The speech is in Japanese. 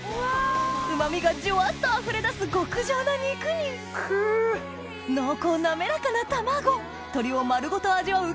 うま味がジュワっとあふれ出す極上の肉に濃厚滑らかな卵鶏を丸ごと味わう